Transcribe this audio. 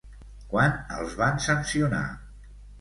Quan els van sancionar?